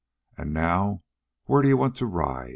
An' now where d'you want to ride?"